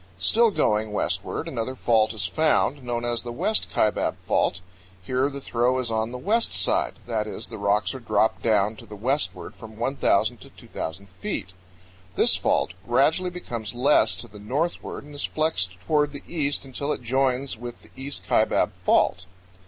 Still going westward, another fault is found, known as the West Kaibab Fault. Here the throw is on the west side, that is, the rocks are dropped down to the westward from 1,000 to 2,000 feet. This fault gradually becomes less to the northward and is flexed toward the east until it joins with the East Kaibab Fault.